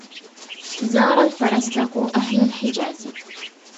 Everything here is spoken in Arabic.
زار الفرزدق أهل الحجاز